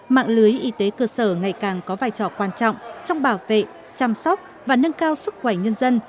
mạng lưới y tế cơ sở ngày càng có vai trò quan trọng trong bảo vệ chăm sóc và nâng cao sức khỏe nhân dân